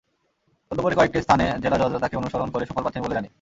তদুপরি কয়েকটি স্থানে জেলা জজরা তাঁকে অনুসরণ করে সুফল পাচ্ছেন বলে জানি।